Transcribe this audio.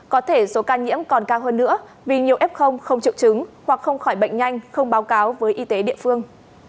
có thể số ca nhiễm còn cao hơn nữa vì nhiều f không triệu chứng hoặc không khỏi bệnh nhanh không báo cáo với y tế địa phương